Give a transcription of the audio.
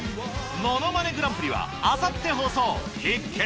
ものまねグランプリはあさって放送。